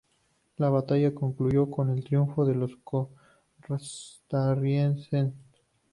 La batalla concluyó con el triunfo de los costarricenses.